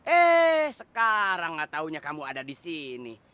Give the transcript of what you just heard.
eh sekarang gak taunya kamu ada disini